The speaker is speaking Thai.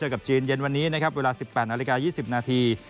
กับจีนเย็นวันนี้นะครับเวลา๑๘นาฬิกา๒๐นาที